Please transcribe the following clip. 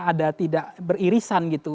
ada tidak beririsan gitu